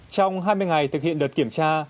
trong hai mươi ngày thực hiện đợt kiểm tra